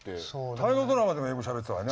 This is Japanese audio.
「大河ドラマ」でも英語しゃべってたわよね。